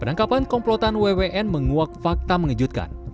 penangkapan komplotan wwn menguak fakta mengejutkan